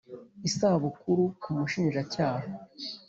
izabukuru k umushinjacyaha